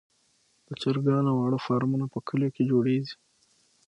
د چرګانو واړه فارمونه په کليو کې جوړیږي.